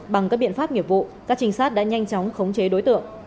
bằng các biện pháp nghiệp vụ các trinh sát đã nhanh chóng khống chế đối tượng